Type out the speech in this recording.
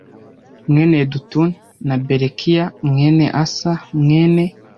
mwene Yedutuni na Berekiya mwene Asa mwene